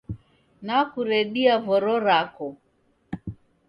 Nakuredia voro rako